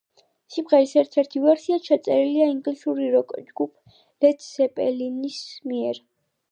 სიმღერის ერთ-ერთი ვერსია ჩაწერილია ინგლისური როკ-ჯგუფ ლედ ზეპელინის მიერ.